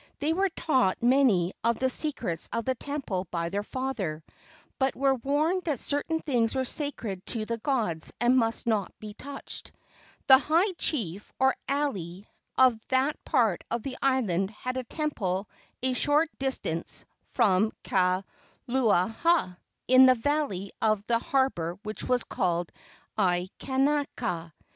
They were taught many of the secrets of the temple by their father, but were warned that certain things were sacred to the gods and must not be touched. The high chief, or alii, of that part of the island had a temple a short distance from Kaluaaha, in the valley of the harbor which was called Aikanaka.